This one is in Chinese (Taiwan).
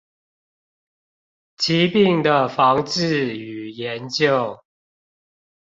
疾病的防治與研究